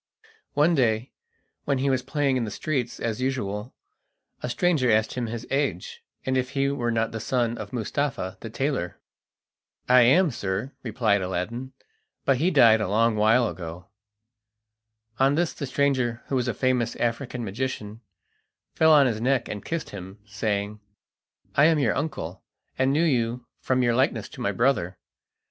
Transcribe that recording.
One day, when he was playing in the streets as usual, a stranger asked him his age, and if he were not the son of Mustapha the tailor. "I am, sir," replied Aladdin; "but he died a long while ago." On this the stranger, who was a famous African magician, fell on his neck and kissed him, saying: "I am your uncle, and knew you from your likeness to my brother.